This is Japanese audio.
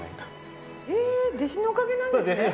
えーっ弟子のおかげなんですね。